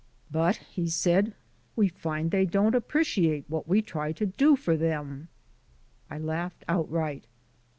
"But," he said, "we find they don't appreciate what we try to do for them." I laughed outright.